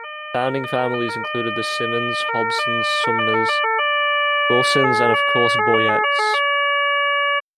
Founding families included the Simmons, Hobsons, Sumners, Wilsons, and of course Boyettes.